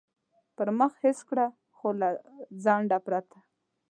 پر مخ حس کړ، خو له ځنډه پرته.